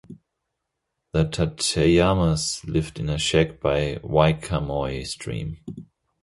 The Tateyamas lived in a shack by Waikamoi Stream.